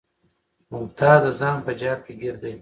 ممتاز د ځان په جال کې ګیر دی